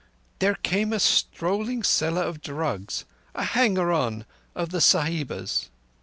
"There came a strolling seller of drugs—a hanger on of the Sahiba's.